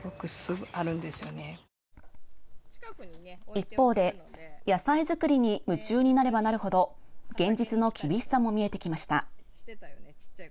一方で、野菜作りに夢中になればなるほど現実の厳しさも見えてきました。